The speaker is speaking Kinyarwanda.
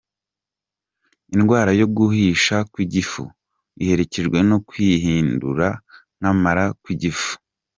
Indwara yo guhisha kw’igifu, iherekejwe no kwihindura nk’amara kw’igifu;.